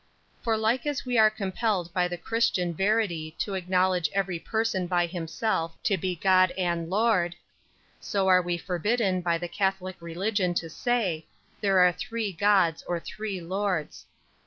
19. For like as we are compelled by the Christian verity to acknowledge every Person by himself to be God and Lord; 20. So are we forbidden by the catholic religion to say; There are three Gods or three Lords.